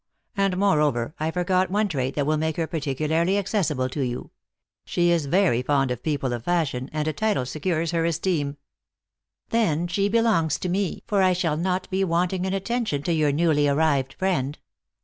And moreover, I forgot one trait that will make her particularly accessible to you. She is very fond of people of fashion, and a title secures her esteem. " Then she belongs to me, for I shall not be want ing in attention to your newly arrived friend.